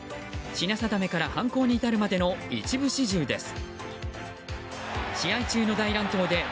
品定めから犯行に至るまでの一部始終です。